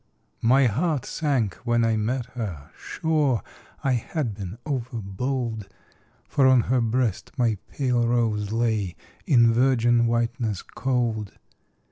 My heart sank when I met her: sure I had been overbold, For on her breast my pale rose lay In virgin whiteness cold.